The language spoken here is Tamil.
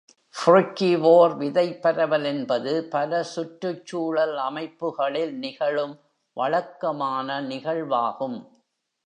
ஃப்ருகிவோர் விதைப் பரவல் என்பது, பல சுற்றுச்சூழல் அமைப்புகளில் நிகழும் வழக்கமான நிகழ்வாகும்.